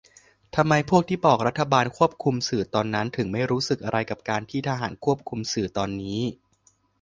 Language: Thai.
ทำไมพวกที่บอก รัฐบาลควบคุมสื่อตอนนั้น ถึงไม่รู้สึกอะไรกับการที่ทหารควบคุมสื่อตอนนี้ ?